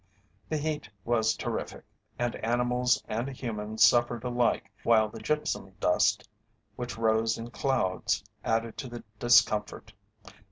The heat was terrific, and animals and humans suffered alike while the gypsum dust which rose in clouds added to the discomfort.